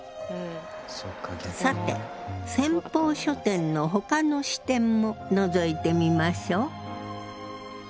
さて先鋒書店のほかの支店ものぞいてみましょう。